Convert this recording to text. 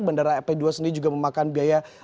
bandara ap dua sendiri juga memakan biaya